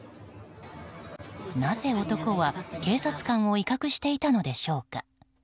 なぜ、男は警察官を威嚇していたのでしょうか。